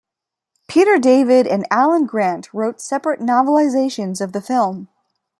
Peter David and Alan Grant wrote separate novelizations of the film.